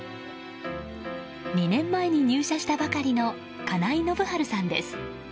２年前に入社したばかりの金井伸治さんです。